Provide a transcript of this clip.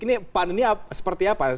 ini pan ini seperti apa